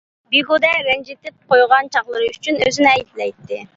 بىھۇدە رەنجىتىپ قويغان چاغلىرى ئۈچۈن ئۆزىنى ئەيىبلەيتتى.